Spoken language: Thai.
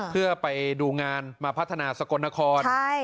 เพื่อไปดูงานมาพัฒนาสกลนคร